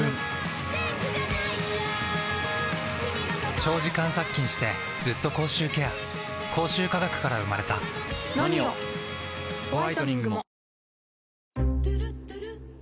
長時間殺菌してずっと口臭ケア口臭科学から生まれた今回の授業は生放送。